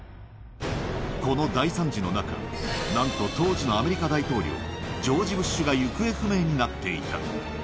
この大惨事の中、なんと当時のアメリカ大統領、ジョージ・ブッシュが行方不明になっていた。